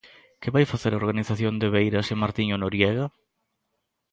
Que vai facer a organización de Beiras e Martiño Noriega?